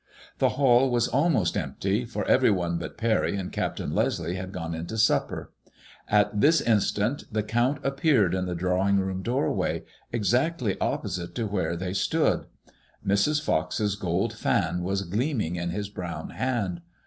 The hall was almost empty, for every one but Parry and Captain Leslie had gone into supper. At this instant the Count appeared in the drawing room doorway, exactly opposite to where they 154 MADEIIOISSLLB IXB. Stood. Mrs. Fox's gold fan was gleaming in his brown hand.